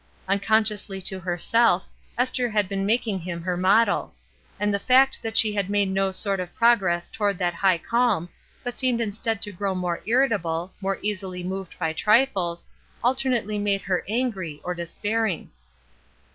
Unconsciously to herself, Esther had been making him her model; and the fact that she made no sort of progress toward that high calm, but seemed in stead to grow more irritable, more easily moved by trifles, alternately made her angry, or de spairing.